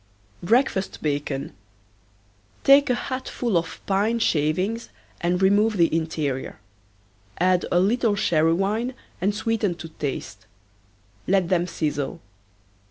BREAKFAST BACON. Take a hat full of pine shavings and remove the interior. Add a little sherry wine and sweeten to taste. Let them sizzle.